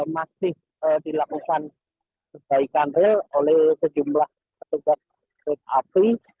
masih dilakukan perbaikan rel oleh sejumlah petugas api